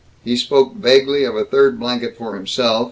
He spoke vaguely of a third blanket for himself.